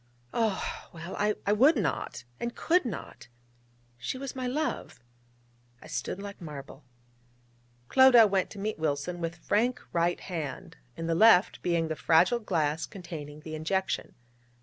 Oh, well, I would not, and could not! she was my love I stood like marble... Clodagh went to meet Wilson with frank right hand, in the left being the fragile glass containing the injection.